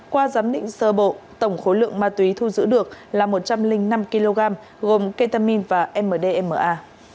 qua giám định sơ bộ tổng khối lượng ma túy thu giữ được là một trăm linh năm kg gồm ketamin và mdma